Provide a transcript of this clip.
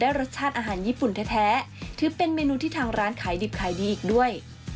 รสชาติอาหารญี่ปุ่นแท้ถือเป็นเมนูที่ทางร้านขายดิบขายดีอีกด้วย